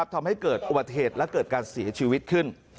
ทำให้เกิดอุบัติเหตุและเกิดการเสียชีวิตขึ้น